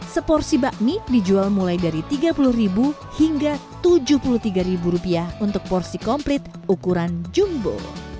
seporsi bakmi dijual mulai dari rp tiga puluh hingga rp tujuh puluh tiga untuk porsi komplit ukuran jumbo